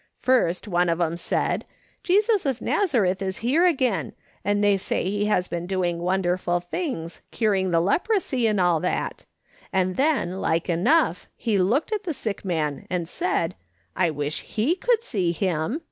First, one of 'em said, Jesus of Nazareth is I30 MKS. SOLOMON SMITH LOOKING ON. here again, and they say he has Ijeen doing wonder ful things, curing the leprosy, and all that. And then, like enough, he looked at the sick man and said, I wish he could see him.